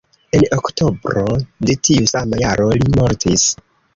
En oktobro de tiu sama jaro li mortis.